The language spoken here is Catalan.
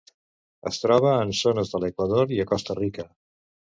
Es troba en zones de l'Equador i a Costa Rica.